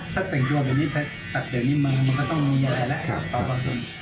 ถ้าเต่งตัวแบบนี้แต่เดี๋ยวนี้มันมันก็ต้องมีอะไรละครับต่อมาคุณ